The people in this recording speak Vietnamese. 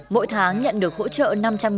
mỗi tháng nhận được hỗ trợ năm trăm linh